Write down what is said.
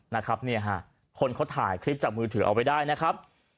นะครับเนี่ยฮะคนเขาถ่ายคลิปจากมือถือเอาไว้ได้นะครับ